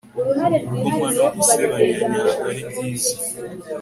Gukoma no gusebanyanyago ari byiza